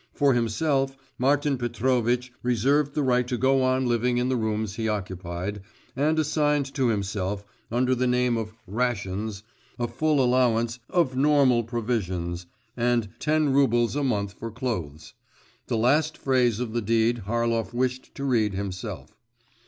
For himself, Martin Petrovitch reserved the right to go on living in the rooms he occupied, and assigned to himself, under the name of 'rations,' a full allowance 'of normal provisions,' and ten roubles a month for clothes. The last phrase of the deed Harlov wished to read himself.